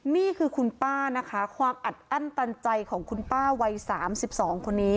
นี่คือคุณป้านะคะความอัดอั้นตันใจของคุณป้าวัย๓๒คนนี้